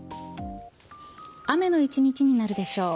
雨の１日になるでしょう。